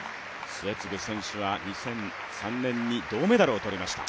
末續選手は２００３年に銅メダルをとりました